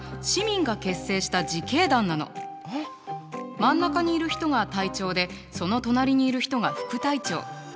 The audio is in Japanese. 真ん中にいる人が隊長でその隣にいる人が副隊長。